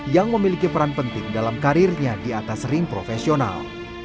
yang memiliki peran penting dalam karirnya di atas ring profesional